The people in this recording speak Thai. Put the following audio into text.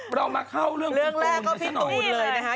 เรามาเข้าเรื่องพิตูนเรื่องแรกก็พิตูนเลยนะคะ